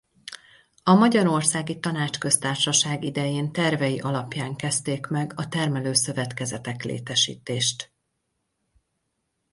A Magyarországi Tanácsköztársaság idején tervei alapján kezdték meg a termelőszövetkezetek létesítést.